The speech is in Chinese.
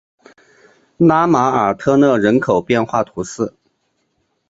拉马尔特勒人口变化图示